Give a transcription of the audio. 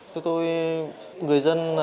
thế tôi người dân